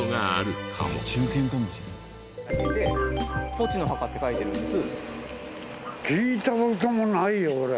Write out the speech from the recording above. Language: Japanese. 「ポチ之墓」って書いてるんです。